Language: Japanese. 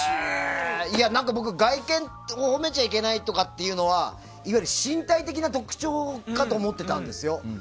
僕、外見を誉めちゃいけないとかっていうのはいわゆる身体的な特徴かと思ってたんですよ。